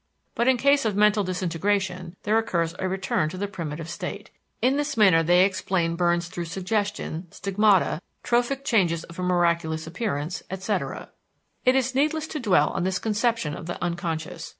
But in case of mental disintegration there occurs a return to the primitive state. In this manner they explain burns through suggestion, stigmata, trophic changes of a miraculous appearance, etc. It is needless to dwell on this conception of the unconscious.